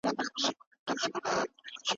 دا دوره ساده نه وه.